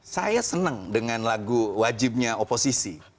saya senang dengan lagu wajibnya oposisi